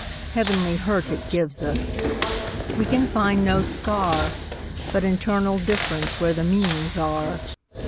Heavenly hurt it gives us; We can find no scar, But internal differenceWhere the meanings are.